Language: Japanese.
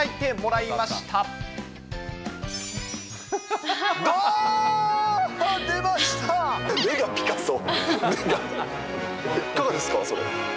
いかがですか、それ。